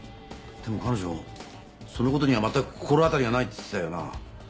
でも彼女そのことにはまったく心当たりがないって言ってたよな